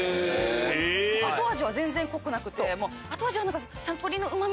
後味は全然濃くなくて。